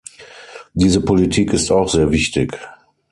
Diese Politik ist auch sehr wichtig.